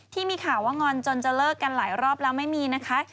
ที่มีข่าวว่างอนจนจะเลิกกันหลายรอบแล้วไม่มีนะคะ